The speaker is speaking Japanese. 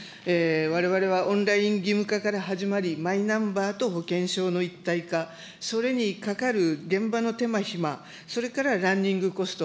われわれはオンライン義務化から始まり、マイナンバーと保険証の一体化、それにかかる現場の手間暇、それからランニングコスト、